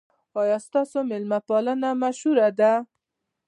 ایا ستاسو میلمه پالنه مشهوره ده؟